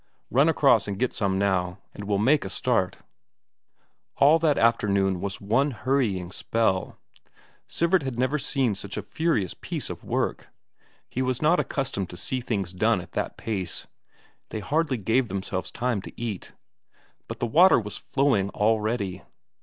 Run across and get some now, and we'll make a start." All that afternoon was one hurrying spell; Sivert had never seen such a furious piece of work; he was not accustomed to see things done at that pace. They hardly gave themselves time to eat. But the water was flowing already!